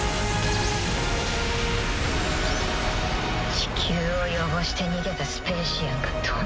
地球を汚して逃げたスペーシアンがどの口で。